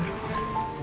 mbak belah tuh harusnya